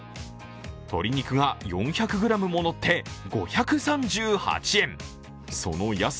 鶏肉が４００ｇものって５３８円。